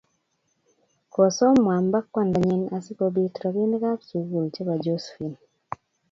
Kosom Mwamba kwandanyi asikobit robinikab sukul chebo Josephine